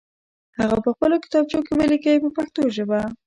هغه په خپلو کتابچو کې ولیکئ په پښتو ژبه.